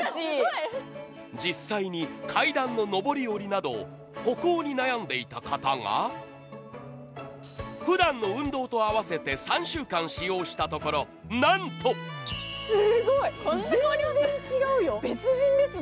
実際に階段の上り下りなど歩行に悩んでいた方が、ふだんの運動と併せて３週間使用したところ、なんとすごい全然違うよ、別人ですね。